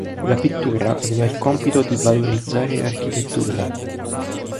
La pittura aveva il compito di valorizzare l'architettura.